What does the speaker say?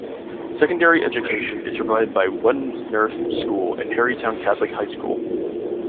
Secondary education is provided by Werneth School and Harrytown Catholic High School.